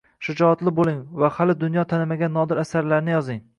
Shijoatli bo’ling va hali dunyo tanimagan nodir asarni yozing